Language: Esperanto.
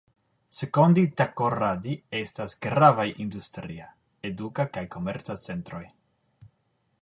Sekondi-Takoradi estas gravaj industria, eduka kaj komerca centroj.